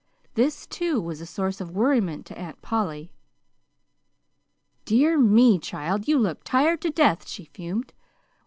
This, too, was a source of worriment to Aunt Polly. "Dear me, child, you look tired to death!" she fumed.